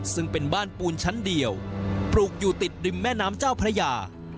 ซึ่งเป็นบ้านปูนชั้นเดียวปลูกอยู่ติดริมแม่น้ำเจ้าพระยา